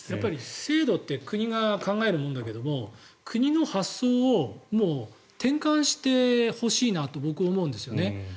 制度って国が考えるものだけど国の発想を転換してほしいなと僕は思うんですよね。